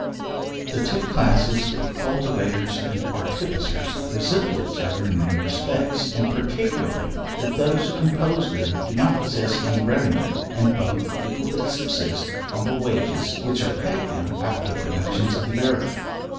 The two classes of cultivators and artificers, resemble each other in many respects, and particularly that those who compose them do not possess any revenue, and both equally subsist on the wages which are paid them out of the productions of the earth.